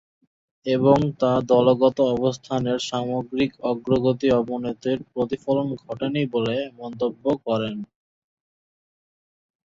এবং তা দলগত অবস্থানের সামগ্রিক অগ্রগতি-অবনতির প্রতিফলন ঘটেনি বলে মন্তব্য করেন।